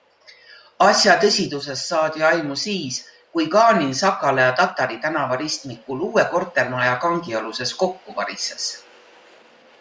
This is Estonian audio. Asja tõsidusest saadi aimu siis, kui Ganin Sakala ja Tatari tänava ristmikul uue kortermaja kangialuses kokku varises.